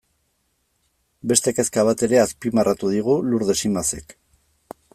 Beste kezka bat ere azpimarratu digu Lurdes Imazek.